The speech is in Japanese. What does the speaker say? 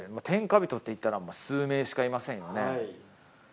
天下人っていったら数名しかいませんよね？